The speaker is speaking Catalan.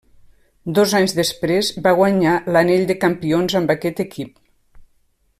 Dos anys després va guanyar l'anell de campions amb aquest equip.